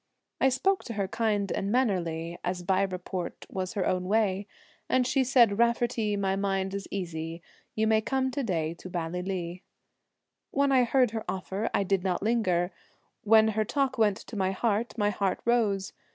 I spoke to her kind and mannerly, As by report was her own way; And she said, "Raftery, my mind is easy, You may come to day to Ballylee." When I heard her offer I did not linger, When her talk went to my heart my heart rose.